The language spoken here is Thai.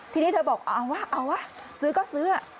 ทีนี้เธอบอกเอาวะเอาวะซื้อก็ซื้อ